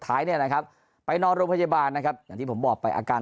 ท้ายเนี่ยนะครับไปนอนโรงพยาบาลนะครับอย่างที่ผมบอกไปอาการ